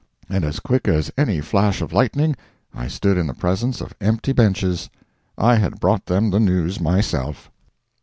"And, as quick as any flash of lightning, I stood in the presence of empty benches! I had brought them the news myself."